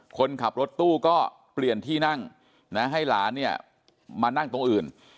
คนขับรถตู้ก็เปลี่ยนที่นั่งนะให้หลานเนี่ยมานั่งตรงอื่น